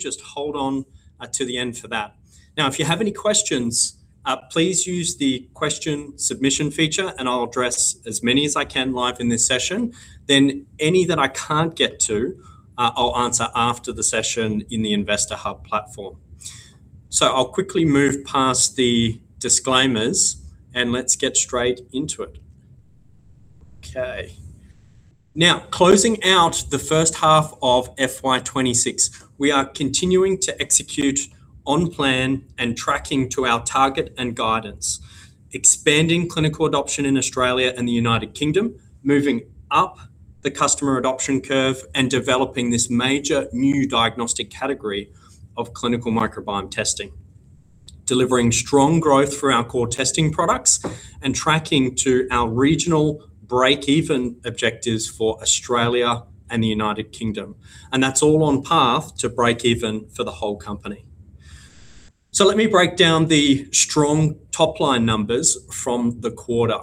Just hold on, to the end for that. Now, if you have any questions, please use the question submission feature, and I'll address as many as I can live in this session. Then any that I can't get to, I'll answer after the session in the Investor Hub platform. So I'll quickly move past the disclaimers, and let's get straight into it. Okay. Now, closing out the first half of FY26, we are continuing to execute on plan and tracking to our target and guidance, expanding clinical adoption in Australia and the United Kingdom, moving up the customer adoption curve, and developing this major new diagnostic category of clinical microbiome testing, delivering strong growth for our core testing products, and tracking to our regional break-even objectives for Australia and the United Kingdom, and that's all on path to break even for the whole company. So let me break down the strong top-line numbers from the quarter.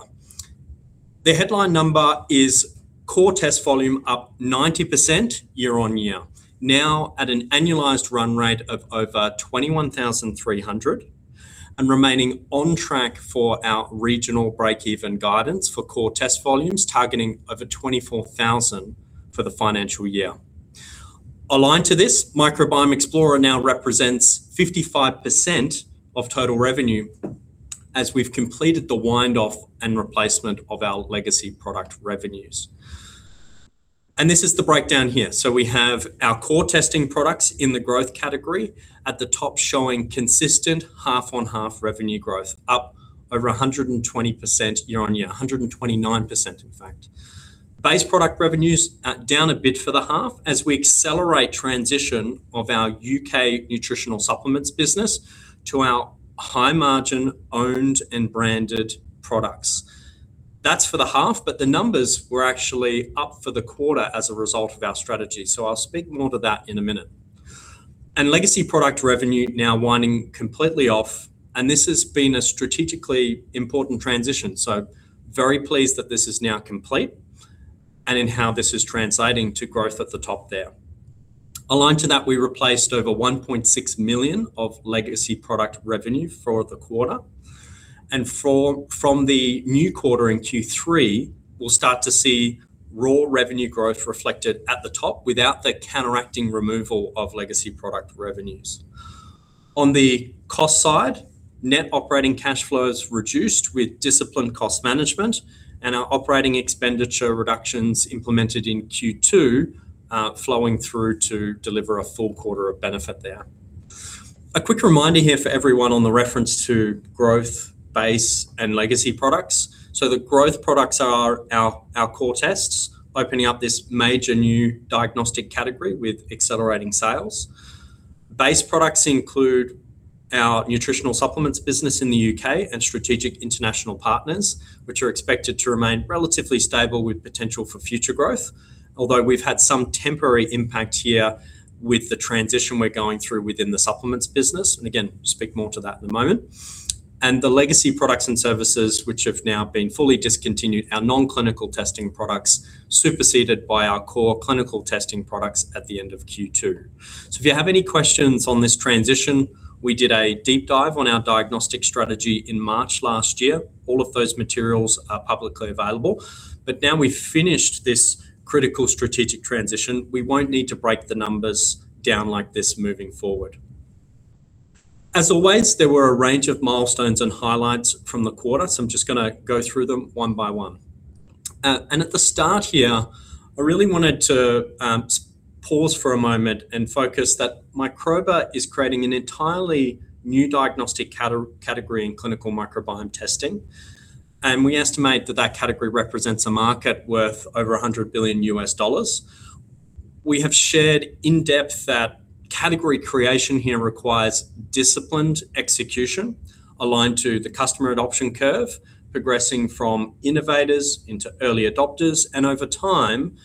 The headline number is core test volume up 90% year-on-year, now at an annualized run rate of over 21,300 and remaining on track for our regional break-even guidance for core test volumes, targeting over 24,000 for the financial year. Aligned to this, Microbiome Explorer now represents 55% of total revenue as we've completed the wind-off and replacement of our legacy product revenues. And this is the breakdown here. So we have our core testing products in the growth category at the top, showing consistent half-on-half revenue growth, up over 120% year-on-year, 129%, in fact. Base product revenues are down a bit for the half as we accelerate transition of our UK nutritional supplements business to our high-margin, owned, and branded products. That's for the half, but the numbers were actually up for the quarter as a result of our strategy. So I'll speak more to that in a minute. And legacy product revenue now winding completely off, and this has been a strategically important transition, so very pleased that this is now complete and in how this is translating to growth at the top there. Aligned to that, we replaced over 1.6 million of legacy product revenue for the quarter, and from the new quarter in Q3, we'll start to see raw revenue growth reflected at the top without the counteracting removal of legacy product revenues. On the cost side, net operating cash flows reduced with disciplined cost management and our operating expenditure reductions implemented in Q2, flowing through to deliver a full quarter of benefit there. A quick reminder here for everyone on the reference to growth, base, and legacy products. The growth products are our, our core tests, opening up this major new diagnostic category with accelerating sales. Base products include our nutritional supplements business in the UK and strategic international partners, which are expected to remain relatively stable with potential for future growth. Although we've had some temporary impact here with the transition we're going through within the supplements business, and again, speak more to that in a moment. The legacy products and services, which have now been fully discontinued, our non-clinical testing products, superseded by our core clinical testing products at the end of Q2. If you have any questions on this transition, we did a deep dive on our diagnostic strategy in March last year. All of those materials are publicly available, but now we've finished this critical strategic transition. We won't need to break the numbers down like this moving forward. As always, there were a range of milestones and highlights from the quarter, so I'm just gonna go through them one by one. And at the start here, I really wanted to pause for a moment and focus that Microba is creating an entirely new diagnostic category in clinical microbiome testing, and we estimate that that category represents a market worth over $100 billion. We have shared in depth that category creation here requires disciplined execution aligned to the customer adoption curve, progressing from innovators into early adopters, and over time,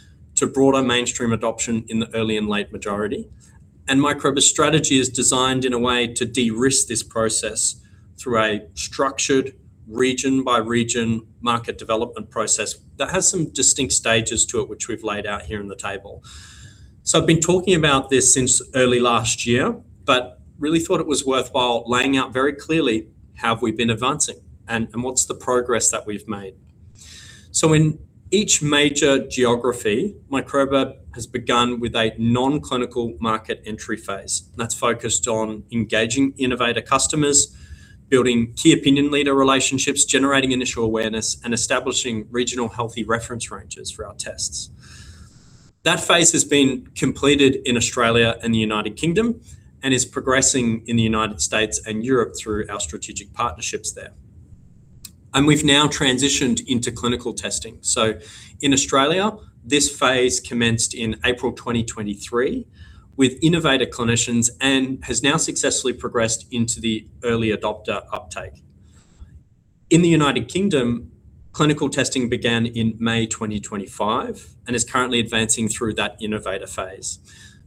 to broader mainstream adoption in the early and late majority. Microba's strategy is designed in a way to de-risk this process through a structured region-by-region market development process that has some distinct stages to it, which we've laid out here in the table. I've been talking about this since early last year, but really thought it was worthwhile laying out very clearly how we've been advancing and what's the progress that we've made. In each major geography, Microba has begun with a non-clinical market entry phase, and that's focused on engaging innovator customers, building key opinion leader relationships, generating initial awareness, and establishing regional healthy reference ranges for our tests. That phase has been completed in Australia and the United Kingdom and is progressing in the United States and Europe through our strategic partnerships there. We've now transitioned into clinical testing. So in Australia, this phase commenced in April 2023 with innovator clinicians and has now successfully progressed into the early adopter uptake. In the United Kingdom, clinical testing began in May 2025, and is currently advancing through that innovator phase.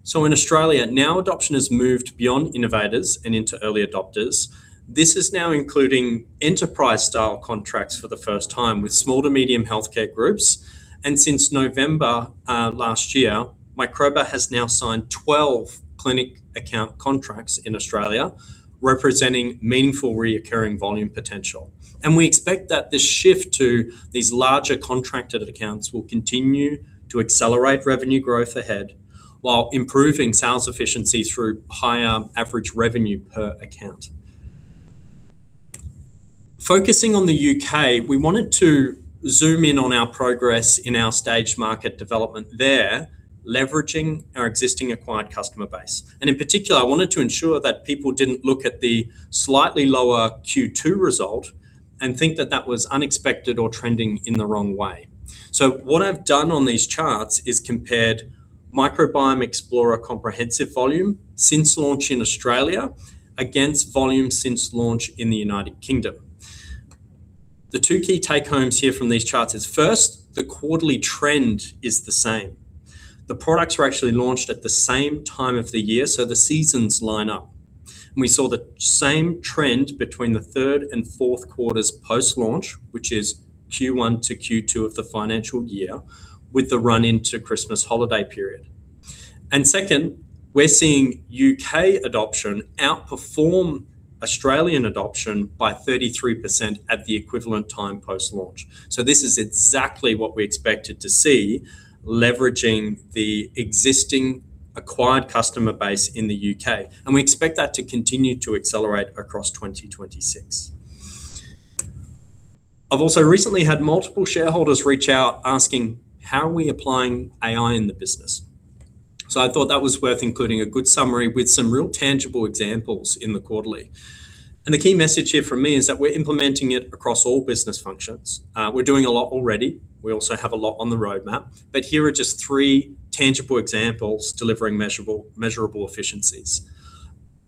So in Australia, now adoption has moved beyond innovators and into early adopters. This is now including enterprise-style contracts for the first time with small to medium healthcare groups, and since November last year, Microba has now signed 12 clinic account contracts in Australia, representing meaningful recurring volume potential. And we expect that this shift to these larger contracted accounts will continue to accelerate revenue growth ahead, while improving sales efficiencies through higher average revenue per account. Focusing on the U.K., we wanted to zoom in on our progress in our stage market development there, leveraging our existing acquired customer base. In particular, I wanted to ensure that people didn't look at the slightly lower Q2 result and think that that was unexpected or trending in the wrong way. What I've done on these charts is compared Microbiome Explorer Comprehensive volume since launch in Australia, against volume since launch in the United Kingdom. The two key take homes here from these charts is, first, the quarterly trend is the same. The products were actually launched at the same time of the year, so the seasons line up. We saw the same trend between the third and fourth quarters post-launch, which is Q1 to Q2 of the financial year, with the run into Christmas holiday period. Second, we're seeing UK adoption outperform Australian adoption by 33% at the equivalent time post-launch. So this is exactly what we expected to see, leveraging the existing acquired customer base in the UK, and we expect that to continue to accelerate across 2026. I've also recently had multiple shareholders reach out asking, "How are we applying AI in the business?" So I thought that was worth including a good summary with some real tangible examples in the quarterly. And the key message here from me is that we're implementing it across all business functions. We're doing a lot already. We also have a lot on the roadmap, but here are just three tangible examples delivering measurable, measurable efficiencies.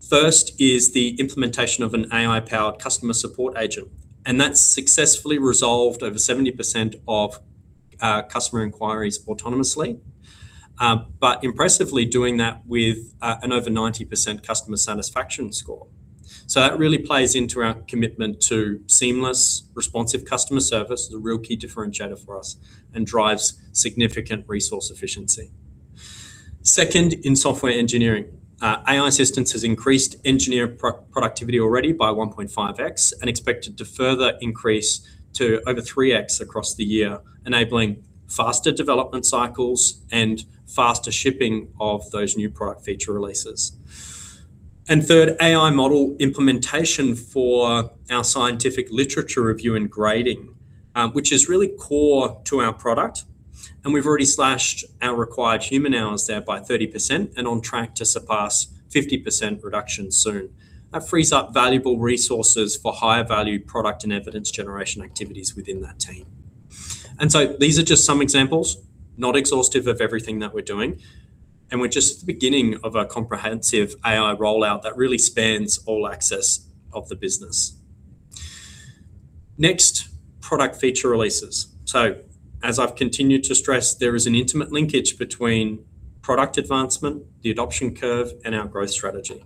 First is the implementation of an AI-powered customer support agent, and that's successfully resolved over 70% of customer inquiries autonomously, but impressively doing that with an over 90% customer satisfaction score. So that really plays into our commitment to seamless, responsive customer service, is a real key differentiator for us and drives significant resource efficiency. Second, in software engineering, AI assistance has increased engineer pro-productivity already by 1.5x, and expected to further increase to over 3x across the year, enabling faster development cycles and faster shipping of those new product feature releases. And third, AI model implementation for our scientific literature review and grading, which is really core to our product, and we've already slashed our required human hours there by 30% and on track to surpass 50% reduction soon. That frees up valuable resources for higher value product and evidence generation activities within that team. And so these are just some examples, not exhaustive of everything that we're doing, and we're just at the beginning of our comprehensive AI rollout that really spans all access of the business. Next, product feature releases. So as I've continued to stress, there is an intimate linkage between product advancement, the adoption curve, and our growth strategy.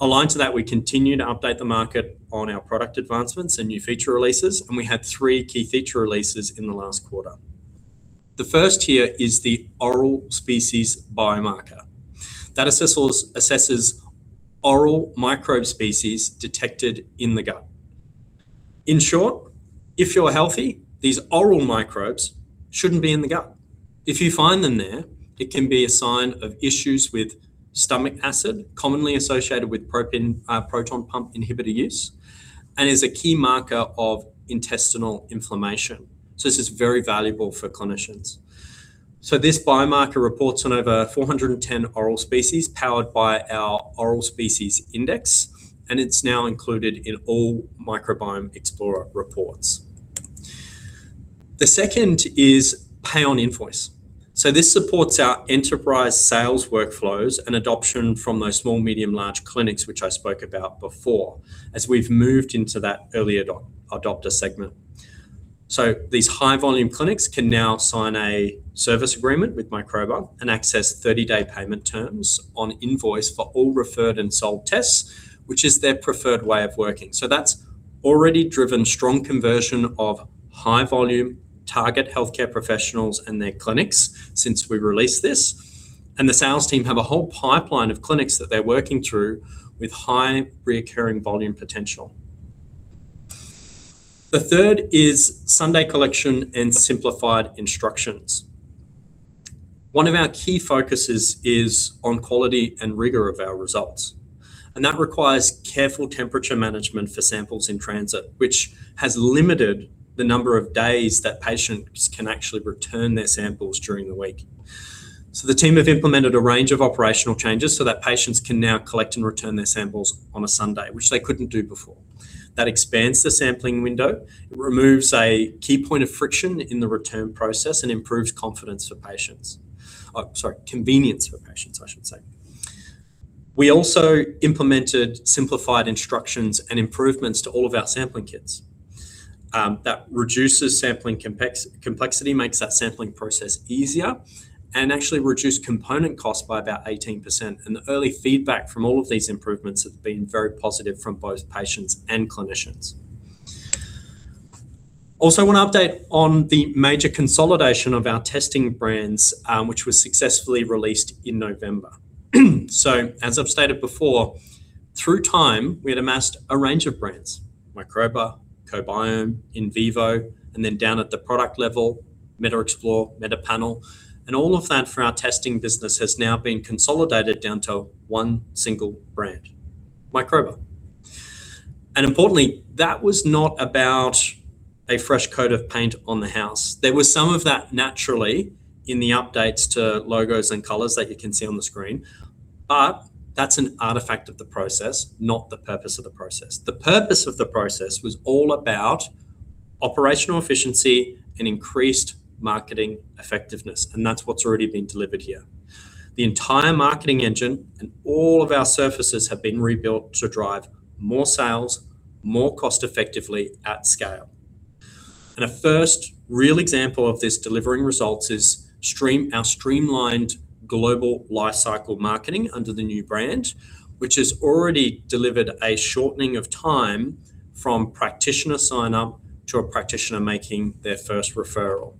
Aligned to that, we continue to update the market on our product advancements and new feature releases, and we had three key feature releases in the last quarter. The first here is the oral species biomarker. That assesses oral microbe species detected in the gut. In short, if you're healthy, these oral microbes shouldn't be in the gut. If you find them there, it can be a sign of issues with stomach acid, commonly associated with PPI, proton pump inhibitor use, and is a key marker of intestinal inflammation. So this is very valuable for clinicians. So this biomarker reports on over 410 oral species, powered by our Oral Species Index, and it's now included in all Microbiome Explorer reports. The second is pay on invoice. So this supports our enterprise sales workflows and adoption from those small, medium, large clinics, which I spoke about before, as we've moved into that earlier adopter segment. So these high volume clinics can now sign a service agreement with Microba and access 30-day payment terms on invoice for all referred and sold tests, which is their preferred way of working. So that's already driven strong conversion of high volume target healthcare professionals and their clinics since we released this, and the sales team have a whole pipeline of clinics that they're working through with high recurring volume potential. The third is Sunday collection and simplified instructions. One of our key focuses is on quality and rigor of our results, and that requires careful temperature management for samples in transit, which has limited the number of days that patients can actually return their samples during the week. So the team have implemented a range of operational changes so that patients can now collect and return their samples on a Sunday, which they couldn't do before. That expands the sampling window, removes a key point of friction in the return process, and improves confidence for patients. Oh, sorry, convenience for patients, I should say. We also implemented simplified instructions and improvements to all of our sampling kits. That reduces sampling complexity, makes that sampling process easier, and actually reduced component costs by about 18%. And the early feedback from all of these improvements have been very positive from both patients and clinicians. Also, I want to update on the major consolidation of our testing brands, which was successfully released in November. So, as I've stated before, through time, we had amassed a range of brands, Microba, Co-Biome, Invivo, and then down at the product level, MetaXplore, MetaPanel, and all of that for our testing business has now been consolidated down to one single brand, Microba. And importantly, that was not about a fresh coat of paint on the house. There was some of that naturally in the updates to logos and colors that you can see on the screen, but that's an artifact of the process, not the purpose of the process. The purpose of the process was all about operational efficiency and increased marketing effectiveness, and that's what's already been delivered here. The entire marketing engine and all of our surfaces have been rebuilt to drive more sales, more cost effectively at scale. And a first real example of this delivering results is our streamlined global lifecycle marketing under the new brand, which has already delivered a shortening of time from practitioner sign-up to a practitioner making their first referral.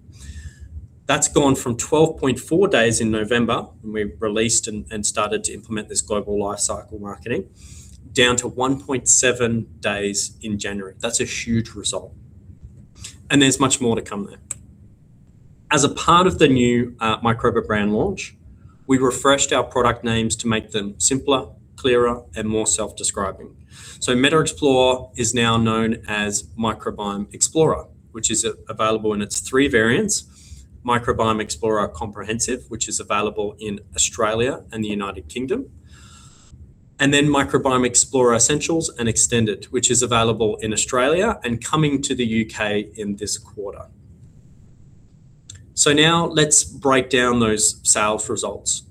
That's gone from 12.4 days in November, when we released and started to implement this global lifecycle marketing, down to 1.7 days in January. That's a huge result, and there's much more to come there. As a part of the new Microba brand launch, we refreshed our product names to make them simpler, clearer, and more self-describing. So MetaXplore is now known as Microbiome Explorer, which is available in its three variants: Microbiome Explorer Comprehensive, which is available in Australia and the United Kingdom, and then Microbiome Explorer Essentials and Extended, which is available in Australia and coming to the UK in this quarter. So now let's break down those sales results.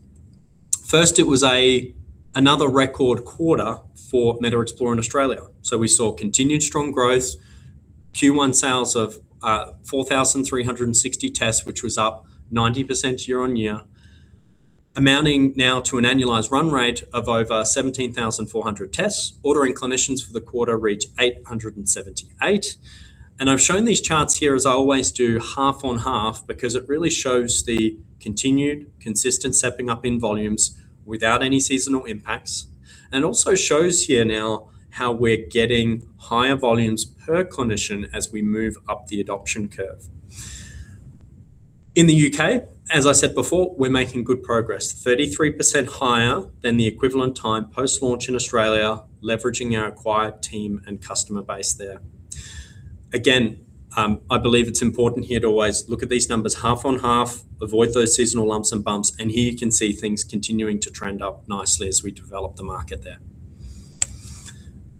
First, it was another record quarter for MetaXplore in Australia. So we saw continued strong growth, Q1 sales of 4,360 tests, which was up 90% year-on-year, amounting now to an annualized run rate of over 17,400 tests. Ordering clinicians for the quarter reached 878. I've shown these charts here, as I always do, half on half, because it really shows the continued, consistent stepping up in volumes without any seasonal impacts, and also shows here now how we're getting higher volumes per clinician as we move up the adoption curve. In the U.K., as I said before, we're making good progress, 33% higher than the equivalent time post-launch in Australia, leveraging our acquired team and customer base there. Again, I believe it's important here to always look at these numbers half on half, avoid those seasonal lumps and bumps, and here you can see things continuing to trend up nicely as we develop the market there.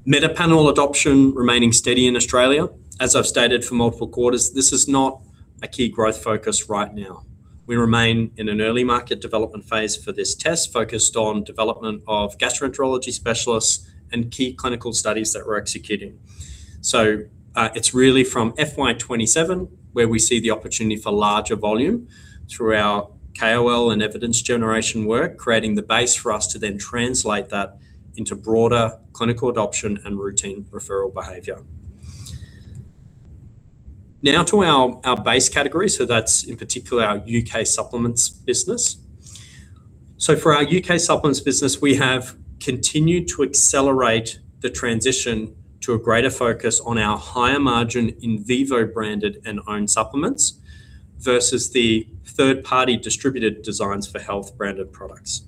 MetaPanel adoption remaining steady in Australia. As I've stated for multiple quarters, this is not a key growth focus right now. We remain in an early market development phase for this test, focused on development of gastroenterology specialists and key clinical studies that we're executing. So, it's really from FY 2027, where we see the opportunity for larger volume through our KOL and evidence generation work, creating the base for us to then translate that into broader clinical adoption and routine referral behavior. Now to our base category, so that's in particular our UK supplements business. So for our UK supplements business, we have continued to accelerate the transition to a greater focus on our higher margin Invivo-branded and owned supplements versus the third-party distributed Designs for Health-branded products.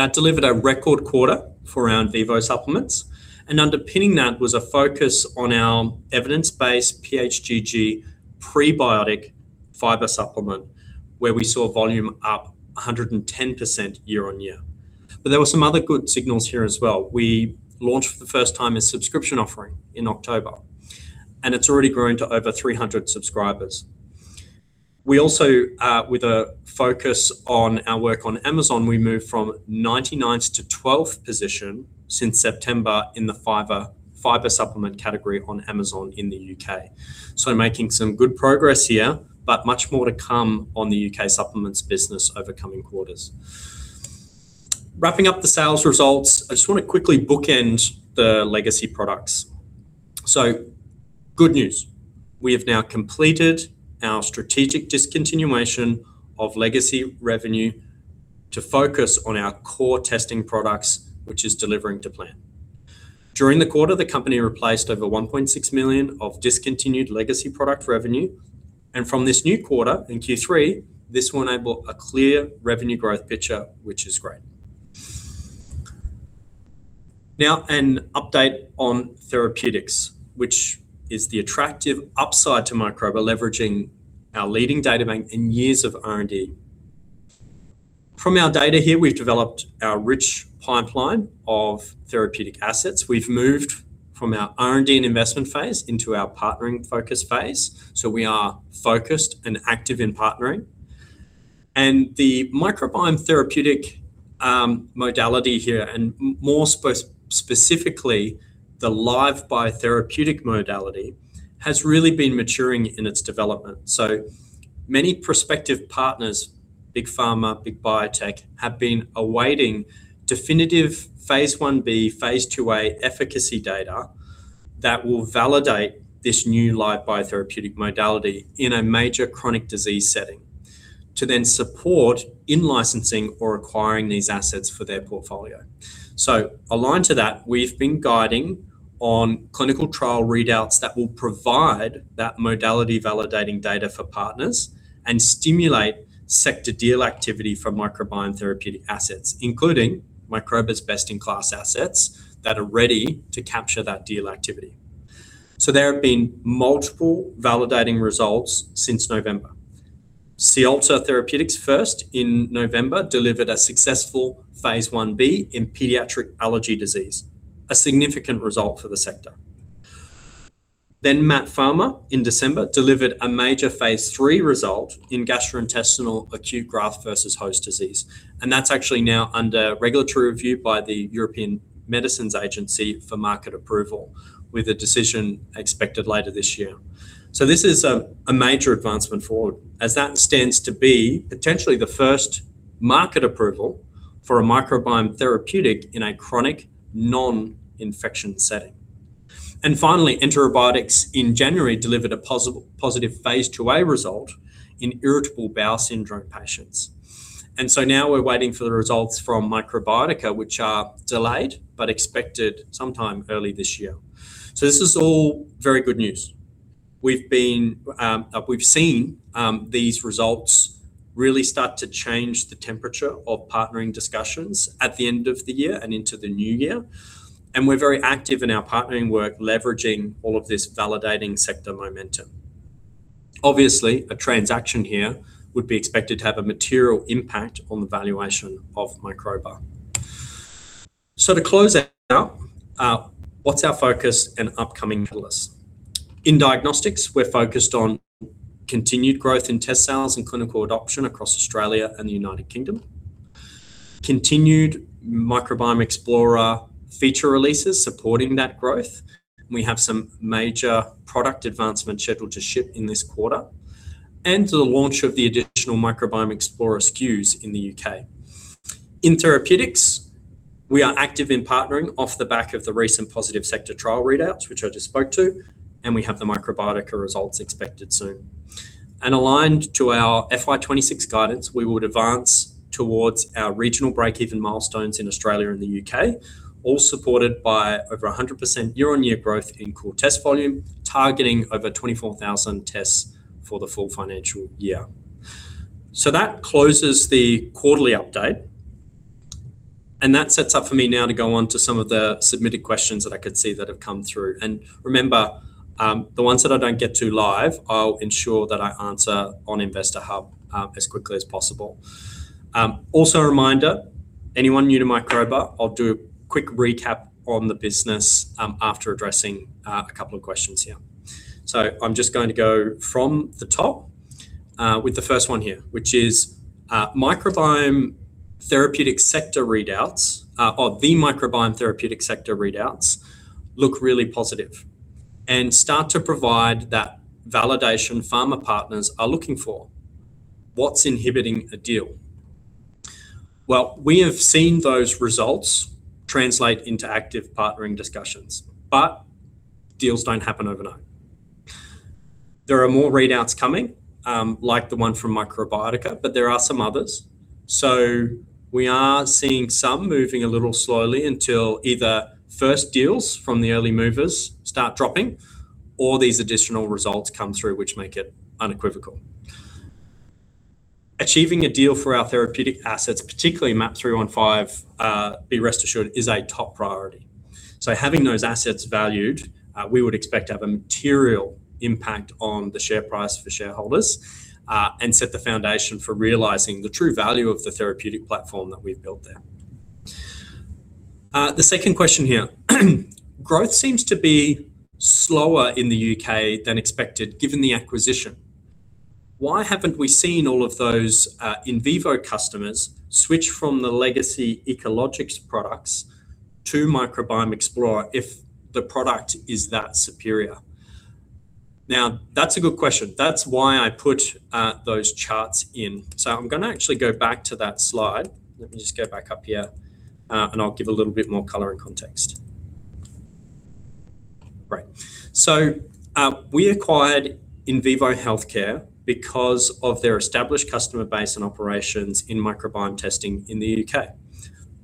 That delivered a record quarter for our Invivo supplements, and underpinning that was a focus on our evidence-based PHGG prebiotic fiber supplement, where we saw volume up 110% year-on-year. But there were some other good signals here as well. We launched for the first time a subscription offering in October, and it's already grown to over 300 subscribers. We also, with a focus on our work on Amazon, we moved from 99 to twelfth position since September in the fiber, fiber supplement category on Amazon in the UK. So making some good progress here, but much more to come on the UK supplements business over coming quarters. Wrapping up the sales results, I just want to quickly bookend the legacy products. So good news, we have now completed our strategic discontinuation of legacy revenue to focus on our core testing products, which is delivering to plan. During the quarter, the company replaced over 1.6 million of discontinued legacy product revenue, and from this new quarter in Q3, this will enable a clear revenue growth picture, which is great. Now, an update on therapeutics, which is the attractive upside to Microba, leveraging our leading databank and years of R&D. From our data here, we've developed our rich pipeline of therapeutic assets. We've moved from our R&D and investment phase into our partnering focus phase, so we are focused and active in partnering. And the microbiome therapeutic modality here, and more specifically, the live biotherapeutic modality, has really been maturing in its development. So many prospective partners, big pharma, big biotech, have been awaiting definitive phase Ib, phase IIa efficacy data that will validate this new live biotherapeutic modality in a major chronic disease setting, to then support in-licensing or acquiring these assets for their portfolio. So aligned to that, we've been guiding on clinical trial readouts that will provide that modality-validating data for partners and stimulate sector deal activity for microbiome therapeutic assets, including Microba's best-in-class assets that are ready to capture that deal activity. So there have been multiple validating results since November. Siolta Therapeutics first, in November, delivered a successful phase Ib in pediatric allergy disease, a significant result for the sector. Then MaaT Pharma, in December, delivered a major phase III result in gastrointestinal acute graft versus host disease, and that's actually now under regulatory review by the European Medicines Agency for market approval, with a decision expected later this year. So this is a major advancement forward, as that stands to be potentially the first market approval for a microbiome therapeutic in a chronic, non-infection setting. And finally, EnteroBiotix, in January, delivered a positive phase IIa result in irritable bowel syndrome patients. And so now we're waiting for the results from Microbiotica, which are delayed, but expected sometime early this year. So this is all very good news. We've been. We've seen these results really start to change the temperature of partnering discussions at the end of the year and into the new year, and we're very active in our partnering work, leveraging all of this validating sector momentum. Obviously, a transaction here would be expected to have a material impact on the valuation of Microba. So to close out, what's our focus and upcoming catalysts? In diagnostics, we're focused on continued growth in test sales and clinical adoption across Australia and the United Kingdom, continued Microbiome Explorer feature releases supporting that growth. We have some major product advancements scheduled to ship in this quarter, and the launch of the additional Microbiome Explorer SKUs in the UK. In therapeutics, we are active in partnering off the back of the recent positive sector trial readouts, which I just spoke to, and we have the Microbiotica results expected soon. Aligned to our FY 2026 guidance, we would advance towards our regional breakeven milestones in Australia and the UK, all supported by over 100% year-on-year growth in core test volume, targeting over 24,000 tests for the full financial year. That closes the quarterly update, and that sets up for me now to go on to some of the submitted questions that I could see that have come through. Remember, the ones that I don't get to live, I'll ensure that I answer on Investor Hub, as quickly as possible. Also a reminder, anyone new to Microba, I'll do a quick recap on the business, after addressing, a couple of questions here. So I'm just going to go from the top, with the first one here, which is, "Microbiome therapeutic sector readouts, or the microbiome therapeutic sector readouts look really positive and start to provide that validation pharma partners are looking for. What's inhibiting a deal?" Well, we have seen those results translate into active partnering discussions, but deals don't happen overnight. There are more readouts coming, like the one from Microbiotica, but there are some others, so we are seeing some moving a little slowly until either first deals from the early movers start dropping or these additional results come through, which make it unequivocal. Achieving a deal for our therapeutic assets, particularly MAP315, be rest assured, is a top priority. So having those assets valued, we would expect to have a material impact on the share price for shareholders, and set the foundation for realizing the true value of the therapeutic platform that we've built there. The second question here, "Growth seems to be slower in the UK than expected, given the acquisition. Why haven't we seen all of those, Invivo customers switch from the legacy EcologiX products to Microbiome Explorer if the product is that superior?" Now, that's a good question. That's why I put those charts in. So I'm gonna actually go back to that slide. Let me just go back up here, and I'll give a little bit more color and context. Great. So, we acquired Invivo Healthcare because of their established customer base and operations in microbiome testing in the UK.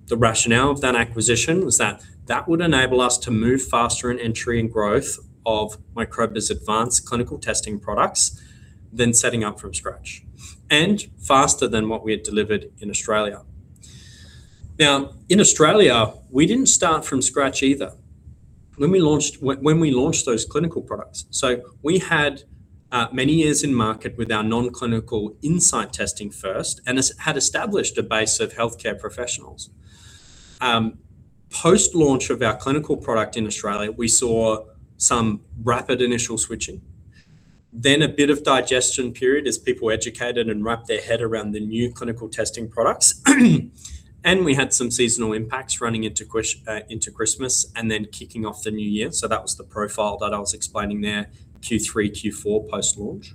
The rationale of that acquisition was that that would enable us to move faster in entry and growth of Microba's advanced clinical testing products than setting up from scratch, and faster than what we had delivered in Australia. Now, in Australia, we didn't start from scratch either when we launched those clinical products. So we had many years in market with our non-clinical insight testing first and had established a base of healthcare professionals. Post-launch of our clinical product in Australia, we saw some rapid initial switching, then a bit of digestion period as people educated and wrapped their head around the new clinical testing products, and we had some seasonal impacts running into Q4, into Christmas and then kicking off the new year. So that was the profile that I was explaining there, Q3, Q4 post-launch.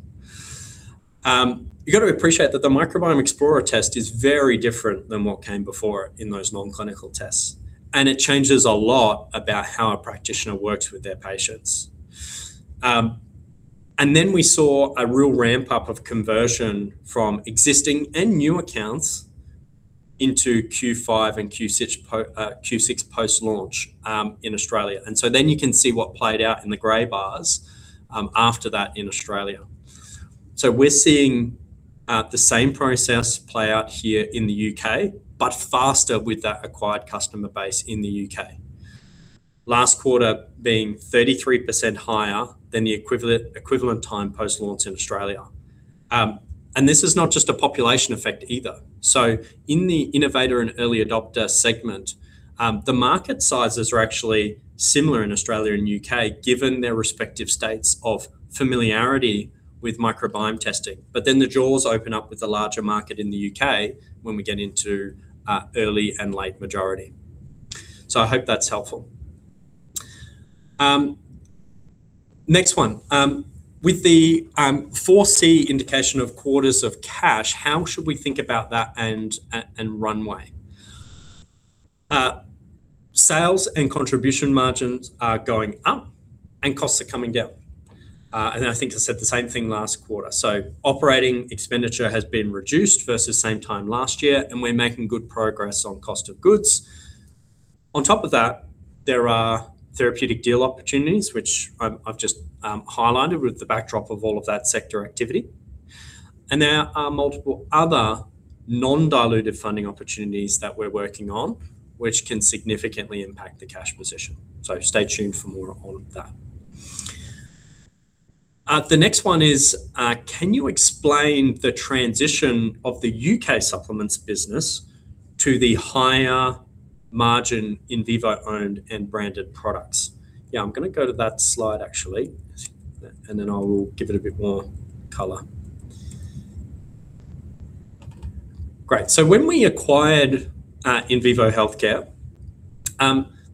You got to appreciate that the Microbiome Explorer test is very different than what came before in those non-clinical tests, and it changes a lot about how a practitioner works with their patients. And then we saw a real ramp-up of conversion from existing and new accounts into Q5 and Q6 post-launch, in Australia. And so then you can see what played out in the gray bars, after that in Australia. So we're seeing, the same process play out here in the UK, but faster with that acquired customer base in the UK. Last quarter being 33% higher than the equivalent time post-launch in Australia. And this is not just a population effect either. So in the innovator and early adopter segment, the market sizes are actually similar in Australia and UK, given their respective states of familiarity with microbiome testing. But then the jaws open up with a larger market in the UK when we get into early and late majority. So I hope that's helpful. Next one. With the 4C indication of quarters of cash, how should we think about that and runway? Sales and contribution margins are going up and costs are coming down. And I think I said the same thing last quarter. So operating expenditure has been reduced versus same time last year, and we're making good progress on cost of goods. On top of that, there are therapeutic deal opportunities, which I've just highlighted with the backdrop of all of that sector activity, and there are multiple other non-dilutive funding opportunities that we're working on, which can significantly impact the cash position. So stay tuned for more on all of that. The next one is, can you explain the transition of the UK supplements business to the higher margin Invivo-owned and branded products? Yeah, I'm gonna go to that slide actually, and then I will give it a bit more color. Great. So when we acquired Invivo Healthcare,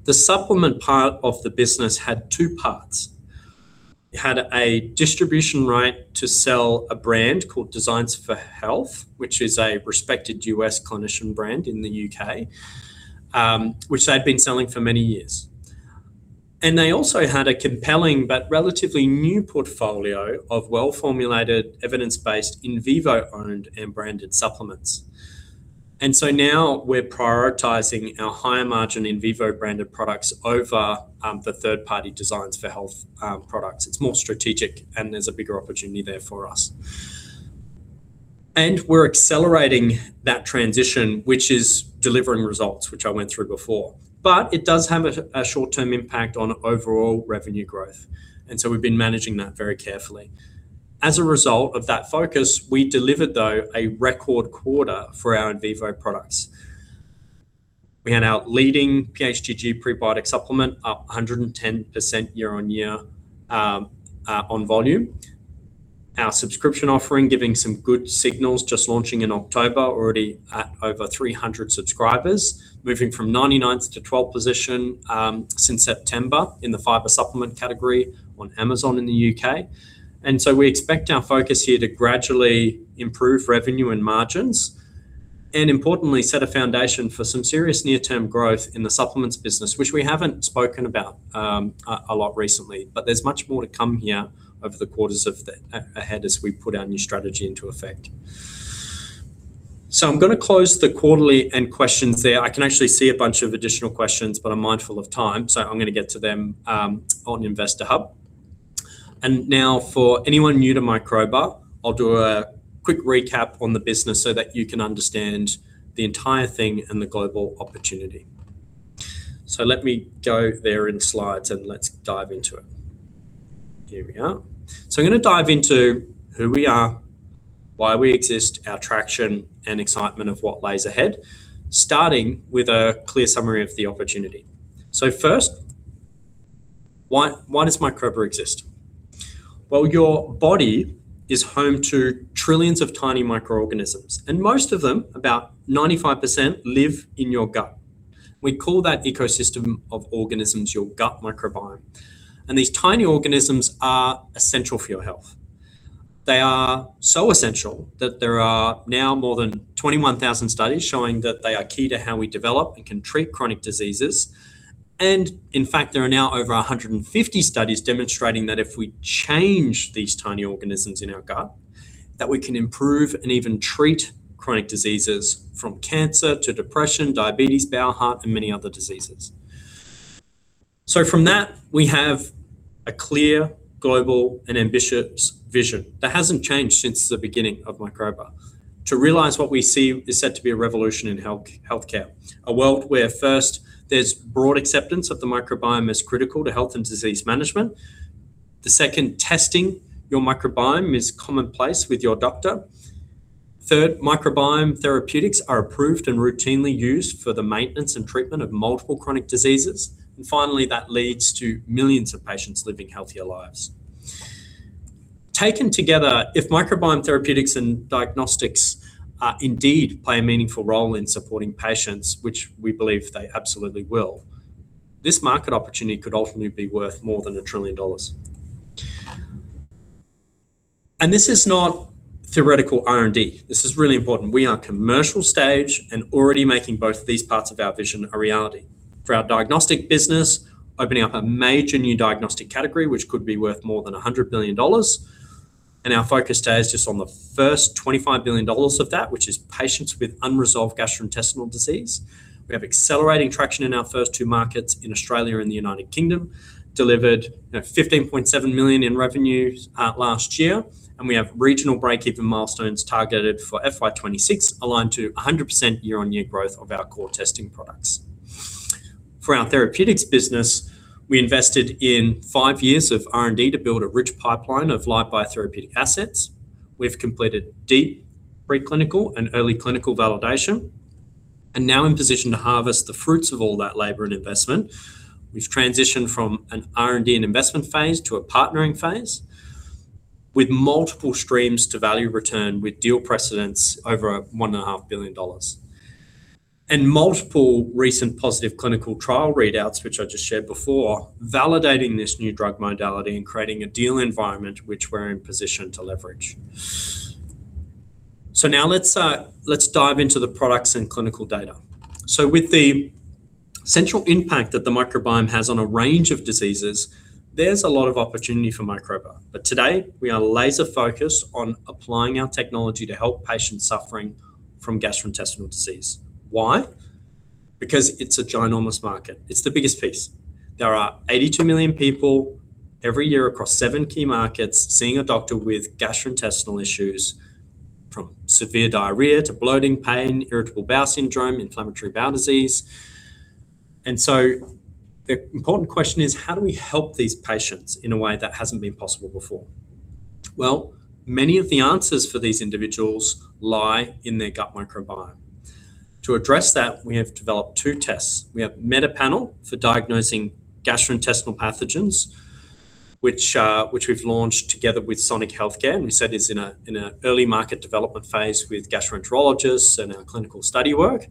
the supplement part of the business had two parts. It had a distribution right to sell a brand called Designs for Health, which is a respected U.S. clinician brand in the U.K., which they'd been selling for many years. They also had a compelling but relatively new portfolio of well-formulated, evidence-based Invivo-owned and branded supplements. So now we're prioritizing our higher margin Invivo branded products over the third-party Designs for Health products. It's more strategic, and there's a bigger opportunity there for us. We're accelerating that transition, which is delivering results, which I went through before, but it does have a short-term impact on overall revenue growth, and so we've been managing that very carefully. As a result of that focus, we delivered, though, a record quarter for our Invivo products. We had our leading PHGG prebiotic supplement up 110% year-on-year on volume. Our subscription offering, giving some good signals, just launching in October, already at over 300 subscribers, moving from 99 to 12 position, since September in the fiber supplement category on Amazon in the UK. And so we expect our focus here to gradually improve revenue and margins, and importantly, set a foundation for some serious near-term growth in the supplements business, which we haven't spoken about, a lot recently. But there's much more to come here over the quarters ahead as we put our new strategy into effect. So I'm gonna close the quarterly and questions there. I can actually see a bunch of additional questions, but I'm mindful of time, so I'm gonna get to them, on Investor Hub. Now for anyone new to Microba, I'll do a quick recap on the business so that you can understand the entire thing and the global opportunity. Let me go there in slides, and let's dive into it. Here we are. I'm gonna dive into who we are, why we exist, our traction, and excitement of what lies ahead, starting with a clear summary of the opportunity. First, why, why does Microba exist? Well, your body is home to trillions of tiny microorganisms, and most of them, about 95%, live in your gut. We call that ecosystem of organisms your gut microbiome, and these tiny organisms are essential for your health. They are so essential that there are now more than 21,000 studies showing that they are key to how we develop and can treat chronic diseases. In fact, there are now over 150 studies demonstrating that if we change these tiny organisms in our gut, that we can improve and even treat chronic diseases from cancer to depression, diabetes, bowel, heart, and many other diseases. From that, we have a clear, global, and ambitious vision that hasn't changed since the beginning of Microba... to realize what we see is set to be a revolution in health, healthcare. A world where first, there's broad acceptance of the microbiome as critical to health and disease management. The second, testing your microbiome is commonplace with your doctor. Third, microbiome therapeutics are approved and routinely used for the maintenance and treatment of multiple chronic diseases, and finally, that leads to millions of patients living healthier lives. Taken together, if microbiome therapeutics and diagnostics indeed play a meaningful role in supporting patients, which we believe they absolutely will, this market opportunity could ultimately be worth more than $1 trillion. This is not theoretical R&D. This is really important. We are commercial stage and already making both of these parts of our vision a reality. For our diagnostic business, opening up a major new diagnostic category, which could be worth more than $100 billion, and our focus today is just on the first $25 billion of that, which is patients with unresolved gastrointestinal disease. We have accelerating traction in our first two markets in Australia and the United Kingdom, delivered, you know, 15.7 million in revenues last year, and we have regional breakeven milestones targeted for FY 2026, aligned to 100% year-on-year growth of our core testing products. For our therapeutics business, we invested in five years of R&D to build a rich pipeline of live biotherapeutic assets. We've completed deep preclinical and early clinical validation, and now in position to harvest the fruits of all that labor and investment. We've transitioned from an R&D and investment phase to a partnering phase, with multiple streams to value return, with deal precedents over $1.5 billion. Multiple recent positive clinical trial readouts, which I just shared before, validating this new drug modality and creating a deal environment which we're in position to leverage. So now let's, let's dive into the products and clinical data. So with the central impact that the microbiome has on a range of diseases, there's a lot of opportunity for Microba, but today, we are laser focused on applying our technology to help patients suffering from gastrointestinal disease. Why? Because it's a ginormous market. It's the biggest piece. There are 82 million people every year across 7 key markets, seeing a doctor with gastrointestinal issues, from severe diarrhea to bloating, pain, irritable bowel syndrome, inflammatory bowel disease. And so the important question is: How do we help these patients in a way that hasn't been possible before? Well, many of the answers for these individuals lie in their gut microbiome. To address that, we have developed two tests. We have MetaPanel for diagnosing gastrointestinal pathogens, which we've launched together with Sonic Healthcare, and we said it's in an early market development phase with gastroenterologists and our clinical study work.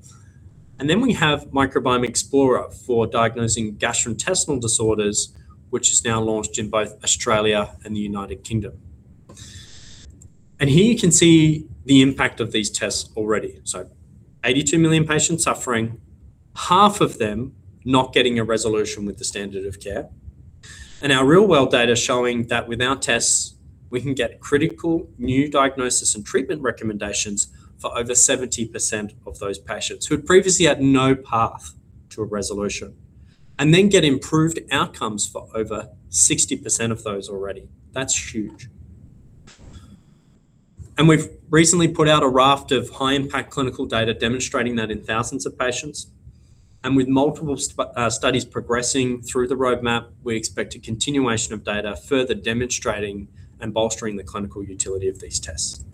And then we have Microbiome Explorer for diagnosing gastrointestinal disorders, which is now launched in both Australia and the United Kingdom. And here you can see the impact of these tests already. So 82 million patients suffering, half of them not getting a resolution with the standard of care. And our real-world data showing that with our tests, we can get critical new diagnosis and treatment recommendations for over 70% of those patients who had previously had no path to a resolution, and then get improved outcomes for over 60% of those already. That's huge. And we've recently put out a raft of high-impact clinical data demonstrating that in thousands of patients, and with multiple studies progressing through the roadmap, we expect a continuation of data further demonstrating and bolstering the clinical utility of these tests.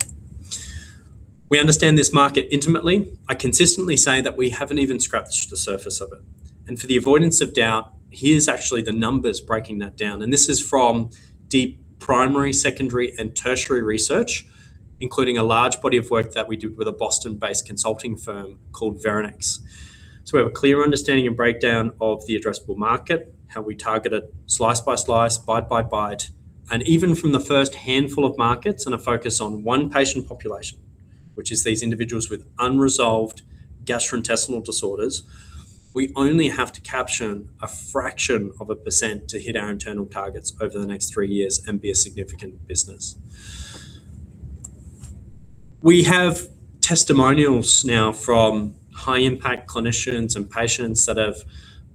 We understand this market intimately. I consistently say that we haven't even scratched the surface of it, and for the avoidance of doubt, here's actually the numbers breaking that down, and this is from deep primary, secondary, and tertiary research, including a large body of work that we did with a Boston-based consulting firm called Veranex. So we have a clear understanding and breakdown of the addressable market, how we target it, slice by slice, bite by bite, and even from the first handful of markets and a focus on one patient population, which is these individuals with unresolved gastrointestinal disorders, we only have to capture a fraction of a % to hit our internal targets over the next three years and be a significant business. We have testimonials now from high-impact clinicians and patients that have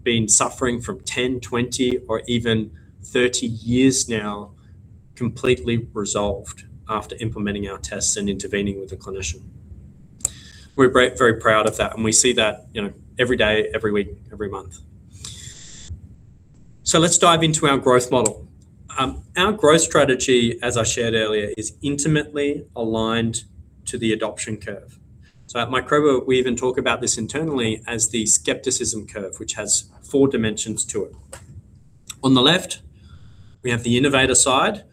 been suffering from 10, 20, or even 30 years now, completely resolved after implementing our tests and intervening with a clinician. We're very proud of that, and we see that, you know, every day, every week, every month. So let's dive into our growth model. Our growth strategy, as I shared earlier, is intimately aligned to the adoption curve. So at Microba, we even talk about this internally as the skepticism curve, which has four dimensions to it. On the left, we have the innovator side,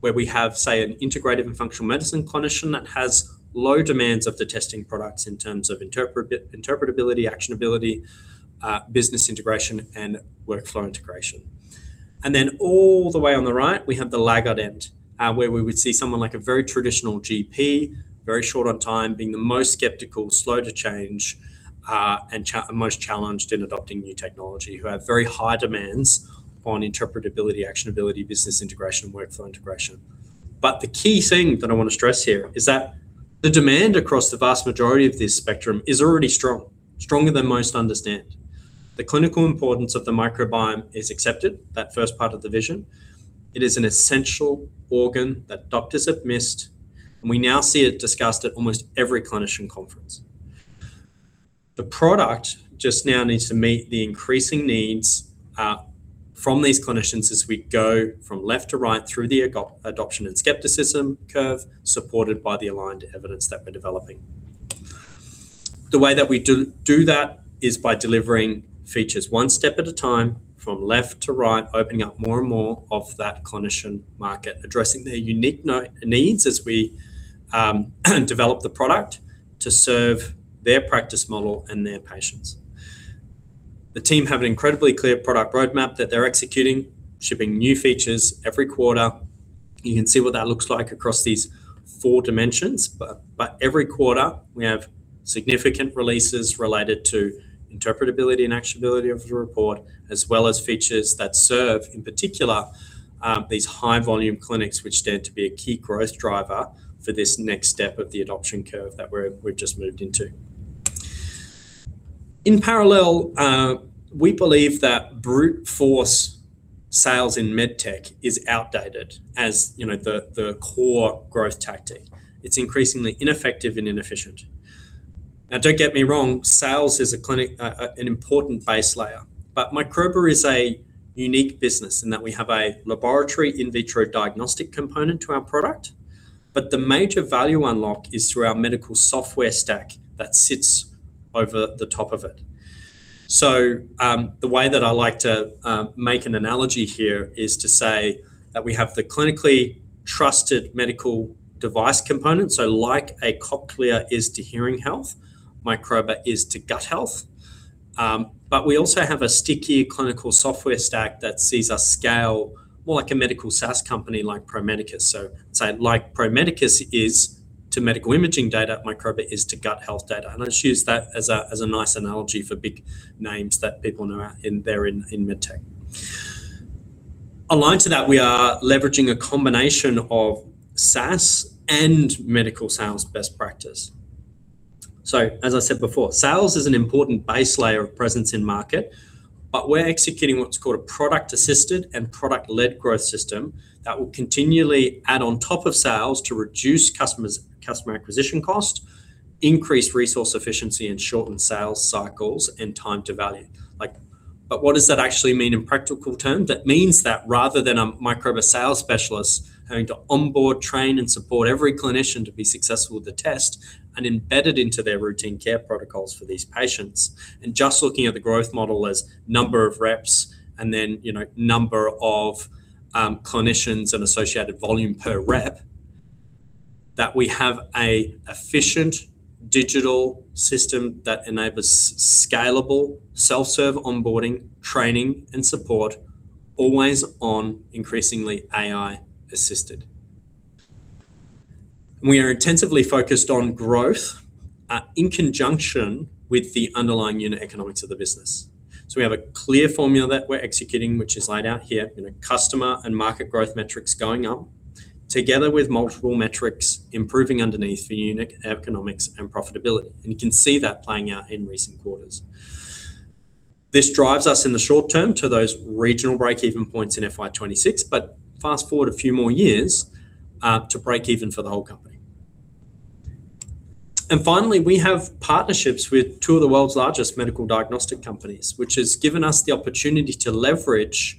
where we have, say, an integrative and functional medicine clinician that has low demands of the testing products in terms of interpretability, actionability, business integration, and workflow integration. And then all the way on the right, we have the laggard end, where we would see someone like a very traditional GP, very short on time, being the most skeptical, slow to change, and most challenged in adopting new technology, who have very high demands on interpretability, actionability, business integration, and workflow integration. But the key thing that I want to stress here is that the demand across the vast majority of this spectrum is already strong, stronger than most understand. The clinical importance of the microbiome is accepted, that first part of the vision. It is an essential organ that doctors have missed, and we now see it discussed at almost every clinician conference. The product just now needs to meet the increasing needs from these clinicians as we go from left to right through the adoption and skepticism curve, supported by the aligned evidence that we're developing. The way that we do that is by delivering features one step at a time, from left to right, opening up more and more of that clinician market, addressing their unique needs as we develop the product to serve their practice model and their patients. The team have an incredibly clear product roadmap that they're executing, shipping new features every quarter. You can see what that looks like across these four dimensions, but every quarter, we have significant releases related to interpretability and actionability of the report, as well as features that serve, in particular, these high-volume clinics, which tend to be a key growth driver for this next step of the adoption curve that we've just moved into. In parallel, we believe that brute force sales in medtech is outdated, as, you know, the core growth tactic. It's increasingly ineffective and inefficient. Now, don't get me wrong, sales is critical, an important base layer, but Microba is a unique business in that we have a laboratory in vitro diagnostic component to our product, but the major value unlock is through our medical software stack that sits over the top of it. So, the way that I like to make an analogy here is to say that we have the clinically trusted medical device component. So like a Cochlear is to hearing health, Microba is to gut health. But we also have a sticky clinical software stack that sees us scale more like a medical SaaS company like Pro Medicus. So say, like Pro Medicus is to medical imaging data, Microba is to gut health data. And let's use that as a nice analogy for big names that people know out there in medtech. Aligned to that, we are leveraging a combination of SaaS and medical sales best practice. So as I said before, sales is an important base layer of presence in market, but we're executing what's called a product-assisted and product-led growth system that will continually add on top of sales to reduce customers, customer acquisition cost, increase resource efficiency and shorten sales cycles and time to value. Like, but what does that actually mean in practical terms? That means that rather than a Microba sales specialist having to onboard, train, and support every clinician to be successful with the test and embedded into their routine care protocols for these patients, and just looking at the growth model as number of reps, and then, you know, number of, clinicians and associated volume per rep, that we have a efficient digital system that enables scalable, self-serve onboarding, training, and support, always on, increasingly AI-assisted. We are intensively focused on growth, in conjunction with the underlying unit economics of the business. So we have a clear formula that we're executing, which is laid out here in a customer and market growth metrics going up, together with multiple metrics improving underneath the unit economics and profitability, and you can see that playing out in recent quarters. This drives us in the short term to those regional break-even points in FY 2026, but fast forward a few more years, to break even for the whole company. And finally, we have partnerships with two of the world's largest medical diagnostic companies, which has given us the opportunity to leverage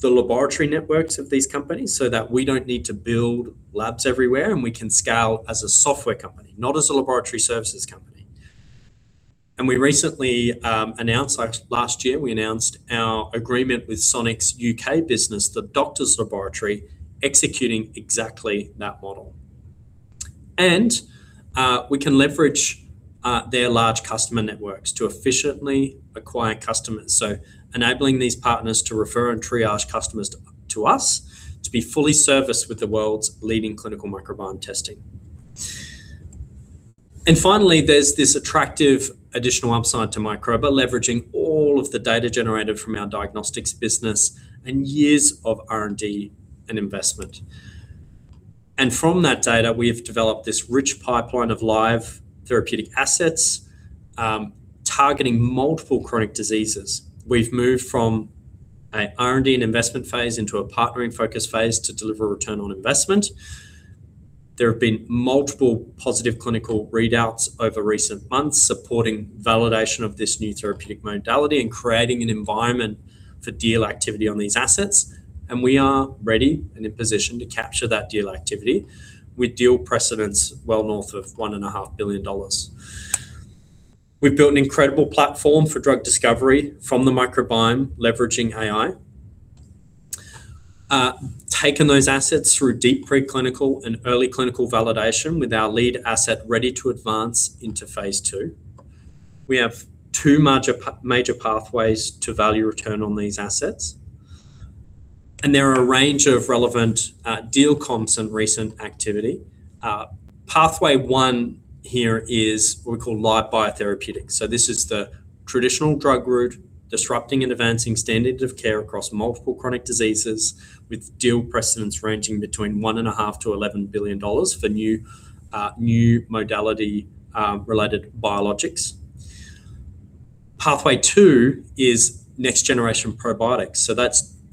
the laboratory networks of these companies so that we don't need to build labs everywhere, and we can scale as a software company, not as a laboratory services company. We recently announced, like last year, we announced our agreement with Sonic's UK business, The Doctors Laboratory, executing exactly that model. We can leverage their large customer networks to efficiently acquire customers, so enabling these partners to refer and triage customers to us to be fully serviced with the world's leading clinical microbiome testing. Finally, there's this attractive additional upside to Microba, leveraging all of the data generated from our diagnostics business and years of R&D and investment. From that data, we have developed this rich pipeline of live therapeutic assets targeting multiple chronic diseases. We've moved from a R&D and investment phase into a partnering focus phase to deliver return on investment. There have been multiple positive clinical readouts over recent months, supporting validation of this new therapeutic modality and creating an environment for deal activity on these assets, and we are ready and in position to capture that deal activity with deal precedence well north of $1.5 billion. We've built an incredible platform for drug discovery from the microbiome, leveraging AI. Taken those assets through deep preclinical and early clinical validation with our lead asset ready to advance into phase two. We have two major pathways to value return on these assets, and there are a range of relevant, deal comps and recent activity. Pathway one here is what we call live biotherapeutics. So this is the traditional drug route, disrupting and advancing standard of care across multiple chronic diseases, with deal precedence ranging between $1.5-$11 billion for new, new modality, related biologics. Pathway 2 is next generation probiotics. So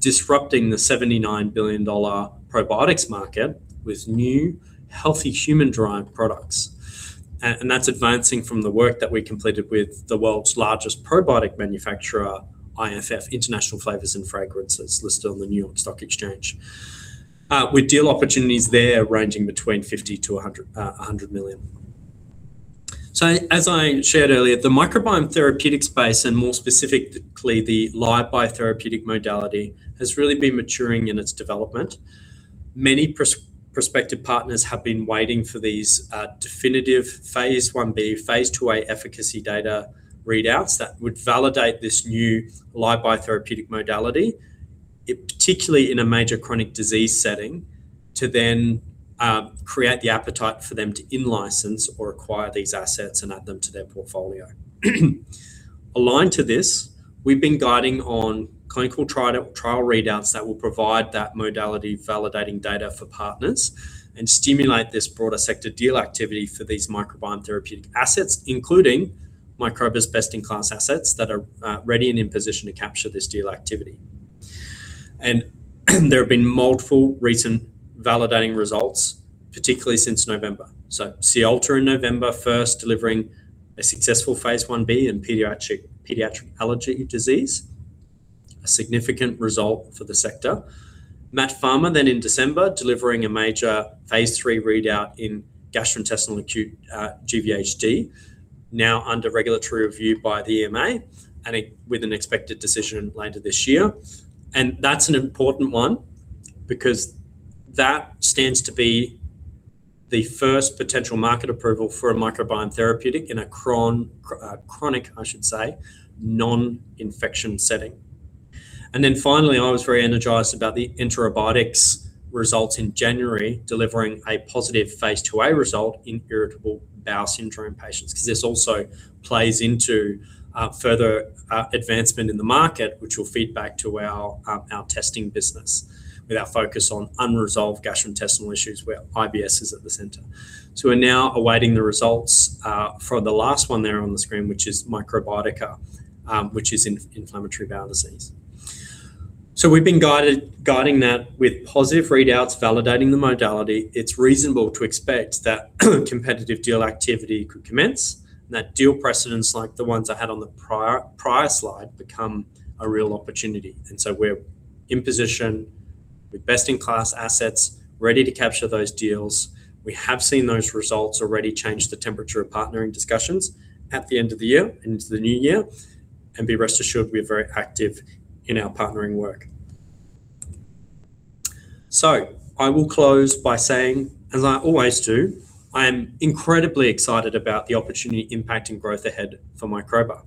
that's disrupting the $79 billion probiotics market with new, healthy, human-derived products. And, and that's advancing from the work that we completed with the world's largest probiotic manufacturer, IFF, International Flavors & Fragrances, listed on the New York Stock Exchange. With deal opportunities there ranging between $50-$100 million. So as I shared earlier, the microbiome therapeutic space, and more specifically, the live biotherapeutic modality, has really been maturing in its development. Many prospective partners have been waiting for these, definitive phase Ib, phase IIa efficacy data readouts that would validate this new live biotherapeutic modality, it particularly in a major chronic disease setting, to then, create the appetite for them to in-license or acquire these assets and add them to their portfolio. Aligned to this, we've been guiding on clinical trial readouts that will provide that modality, validating data for partners and stimulate this broader sector deal activity for these microbiome therapeutic assets, including Microba's best-in-class assets that are, ready and in position to capture this deal activity. There have been multiple recent validating results, particularly since November. Siolta in November first, delivering a successful phase Ib in pediatric allergy disease, a significant result for the sector. MaaT Pharma then in December, delivering a major phase III readout in gastrointestinal acute GVHD, now under regulatory review by the EMA, and with an expected decision later this year. And that's an important one because that stands to be the first potential market approval for a microbiome therapeutic in a chronic, I should say, non-infection setting. And then finally, I was very energized about the EnteroBiotix results in January, delivering a positive phase IIa result in irritable bowel syndrome patients. Because this also plays into, further, advancement in the market, which will feed back to our, our testing business with our focus on unresolved gastrointestinal issues, where IBS is at the center. So we're now awaiting the results, for the last one there on the screen, which is Microbiotica, which is in inflammatory bowel disease. So we've been guiding that with positive readouts, validating the modality, it's reasonable to expect that competitive deal activity could commence, and that deal precedents like the ones I had on the prior, prior slide become a real opportunity. And so we're in position with best-in-class assets, ready to capture those deals. We have seen those results already change the temperature of partnering discussions at the end of the year and into the new year, and be rest assured, we are very active in our partnering work. So I will close by saying, as I always do, I am incredibly excited about the opportunity impacting growth ahead for Microba.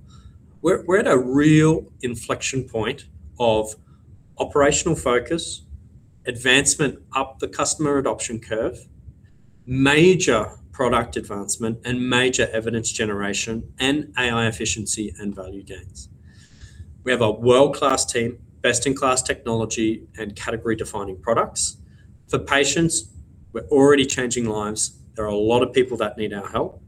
We're, we're at a real inflection point of operational focus, advancement up the customer adoption curve, major product advancement and major evidence generation, and AI efficiency and value gains. We have a world-class team, best-in-class technology, and category-defining products. For patients, we're already changing lives. There are a lot of people that need our help,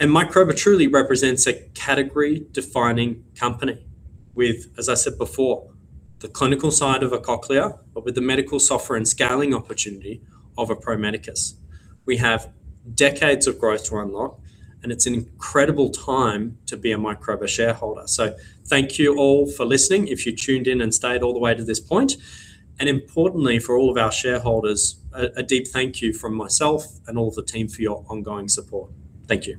and Microba truly represents a category-defining company with, as I said before, the clinical side of a Cochlear, but with the medical software and scaling opportunity of a Pro Medicus. We have decades of growth to unlock, and it's an incredible time to be a Microba shareholder. So thank you all for listening. If you tuned in and stayed all the way to this point, and importantly, for all of our shareholders, a deep thank you from myself and all the team for your ongoing support. Thank you.